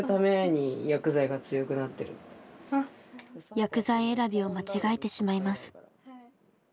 薬剤選びを間違えてしまいます。